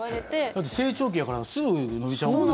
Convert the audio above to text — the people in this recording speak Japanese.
だって成長期やからすぐ伸びちゃうもんね。